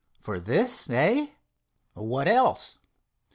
"For this, eh?" "What else?